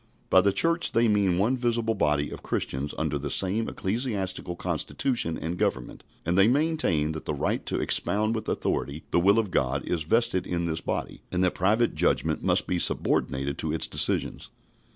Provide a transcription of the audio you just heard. By the Church they mean one visible body of Christians under the same ecclesiastical constitution and government, and they maintain that the right to expound with authority the will of God is vested in this body, and that private judgment must be subordinated to its decisions.